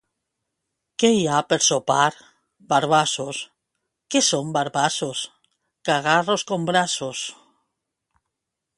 —Què hi ha per sopar? —Barbassos. —Què són barbassos? —Cagarros com braços.